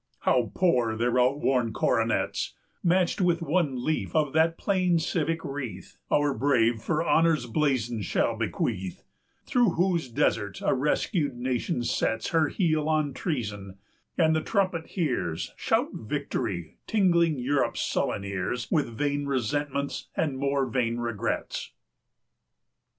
340 How poor their outworn coronets, Matched with one leaf of that plain civic wreath Our brave for honor's blazon shall bequeath, Through whose desert a rescued Nation sets Her heel on treason, and the trumpet hears 345 Shout victory, tingling Europe's sullen ears With vain resentments and more vain regrets!